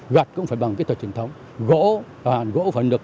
gặt cũng phải bằng kỹ thuật truyền thống